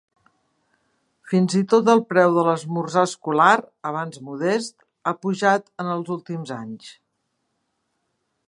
Fins i tot el preu de l'esmorzar escolar, abans modest, ha pujat en els últims anys.